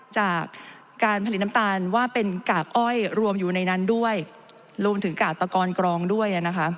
จากการผลิตน้ำตาลว่าเป็นกากอ้อยรวมอยู่ในนั้นด้วยรวมถึงกากตะกอนกรองด้วยนะคะ